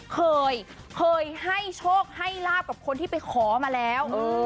เคยเคยให้โชคให้ลาบกับคนที่ไปขอมาแล้ว